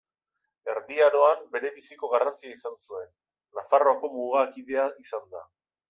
Erdi Aroan berebiziko garrantzia izan zuen, Nafarroako mugakidea izanda.